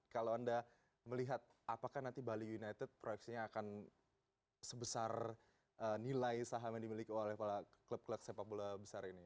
kalau anda melihat apakah nanti bali united proyeksinya akan sebesar nilai saham yang dimiliki oleh klub klub sepak bola besar ini